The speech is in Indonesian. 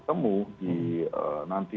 temu di nanti